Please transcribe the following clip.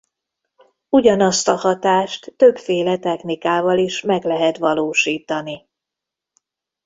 Ugyanazt a hatást többféle technikával is meg lehet valósítani.